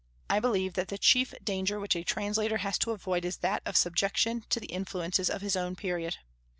I believe that the chief danger which a translator has to avoid is that of subjection to the influences of his own period.